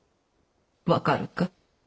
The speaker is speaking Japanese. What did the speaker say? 分かるか？